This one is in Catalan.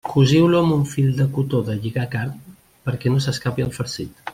Cosiu-lo amb un fil de cotó de lligar carn, perquè no s'escapi el farcit.